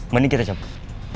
mending kita campur